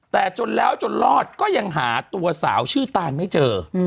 แต่จนแล้วจนรอดก็ยังหาตัวสาวชื่อตานไม่เจอ